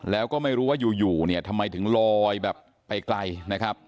แล้วก็ไม่รู้ว่าอยู่เนี่ยทำไมถึงลอยแบบไปไกลนะครับ